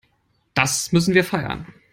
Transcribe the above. Das müssen wir feiern.